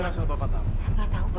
nggak tahu pak